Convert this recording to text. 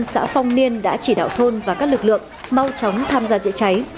các chỉ đạo thôn và các lực lượng mau chóng tham gia dựa cháy